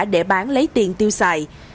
để bán lấy tiền tiêu xài